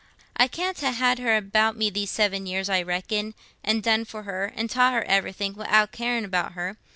I can't ha' had her about me these seven year, I reckon, and done for her, and taught her everything wi'out caring about her.